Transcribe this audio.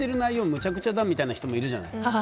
むちゃくちゃみたいな人いるじゃない。